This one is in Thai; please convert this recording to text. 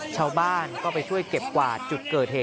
ชาวบ้านก็ไปช่วยเก็บกวาดจุดเกิดเหตุ